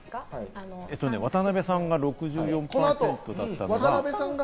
渡辺さんが６４％だったのが。